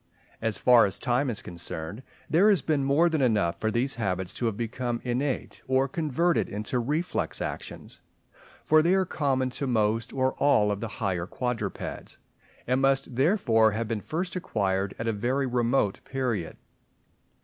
As far as time is concerned, there has been more than enough for these habits to have become innate or converted into reflex actions; for they are common to most or all of the higher quadrupeds, and must therefore have been first acquired at a very remote period.